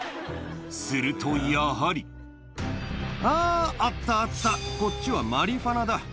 するとやはりあぁあったあったこっちはマリファナだ。